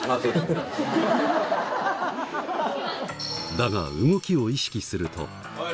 だが動きを意識するとおい！